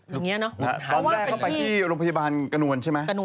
ตอนแรกเข้าไปที่โรงพยาบาลกระนวลใช่ไหม